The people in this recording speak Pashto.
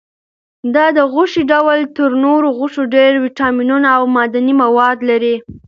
دا د غوښې ډول تر نورو غوښو ډېر ویټامینونه او معدني مواد لري.